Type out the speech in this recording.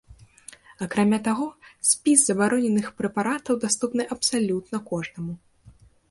Акрамя таго, спіс забароненых прэпаратаў даступны абсалютна кожнаму.